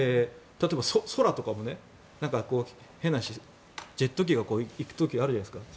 例えば、空とかも、変な話ジェット機が行く時あるじゃないですか。